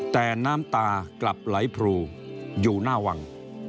แต่น้ำตากลับไหลพรูอยู่หน้าวัง